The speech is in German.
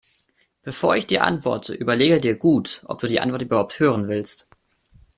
Bevor ich dir antworte, überlege dir gut, ob du die Antwort überhaupt hören willst.